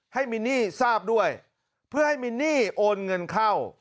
มินนี่ทราบด้วยเพื่อให้มินนี่โอนเงินเข้า